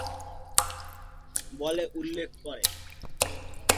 বলে উল্লেখ করে।